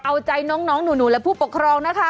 เอาใจน้องหนูและผู้ปกครองนะคะ